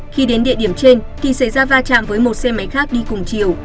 khi đến địa điểm trên thì xảy ra va chạm với một xe máy khác đi cùng chiều